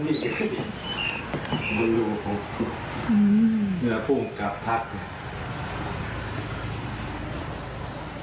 เหนือผู้กำกับพัก